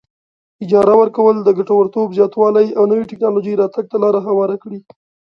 اجاره ورکول د ګټورتوب زیاتوالي او نوې ټیکنالوجۍ راتګ ته لار هواره کړي.